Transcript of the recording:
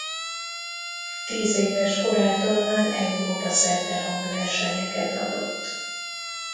Tízéves korától már Európa-szerte hangversenyeket adott.